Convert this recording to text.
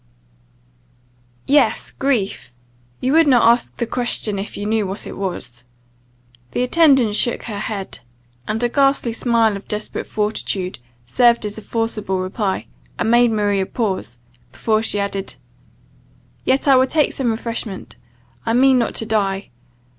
"Yes, grief; you would not ask the question if you knew what it was." The attendant shook her head; and a ghastly smile of desperate fortitude served as a forcible reply, and made Maria pause, before she added "Yet I will take some refreshment: I mean not to die.